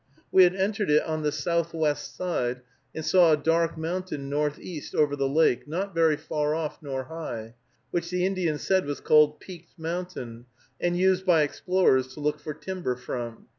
We had entered it on the southwest side, and saw a dark mountain northeast over the lake, not very far off nor high, which the Indian said was called Peaked Mountain, and used by explorers to look for timber from.